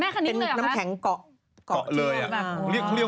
เขาเรียกเหมือยขาบใช่มะ